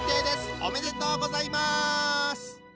おめでとうございます！